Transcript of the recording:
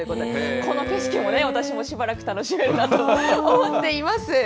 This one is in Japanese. この景色を私もしばらく楽しめるなと思っています。